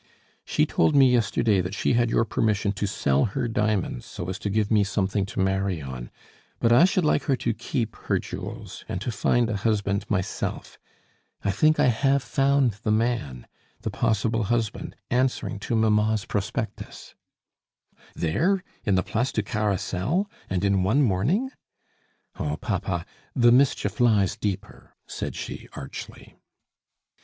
"She told me yesterday that she had your permission to sell her diamonds so as to give me something to marry on; but I should like her to keep her jewels, and to find a husband myself. I think I have found the man, the possible husband, answering to mamma's prospectus " "There? in the Place du Carrousel? and in one morning?" "Oh, papa, the mischief lies deeper!" said she archly.